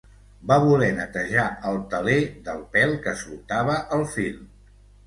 Va voler netejar el teler del pèl que soltava el fil.